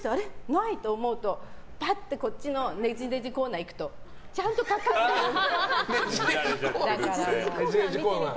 ないと思うとこっちのねじねじコーナー行くとちゃんとかかってるのよ。